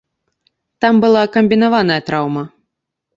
Там была камбінаваная траўма.